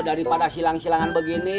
daripada silang silangan begini